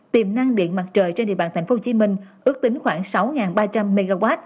tiềm năng điện mặt trời trên địa bàn tp hcm ước tính khoảng sáu ba trăm linh mw